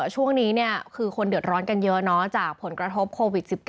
ช่วงนี้คือคนเดือดร้อนกันเยอะจากผลกระทบโควิด๑๙